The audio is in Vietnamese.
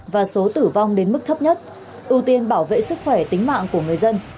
và số tử vong đến mức thấp nhất ưu tiên bảo vệ sức khỏe tính mạng của người dân